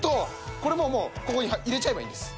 これももうここに入れちゃえばいいんです。